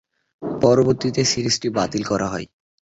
পরবর্তীতে সিরিজটি বাতিল করা হয়।